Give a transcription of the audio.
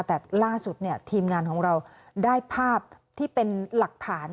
แต่ล่าสุดทีมงานของเราได้ภาพที่เป็นหลักฐาน